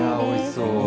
おいしそう。